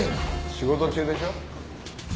仕事中でしょ？